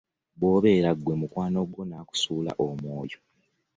Bw’obeera ggwe mukwano gwo n’akusuula omwoyo.